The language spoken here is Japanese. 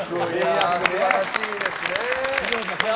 素晴らしいですね。